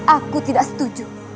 aku tidak setuju